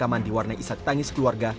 pemakaman diwarnai isat tangis keluarga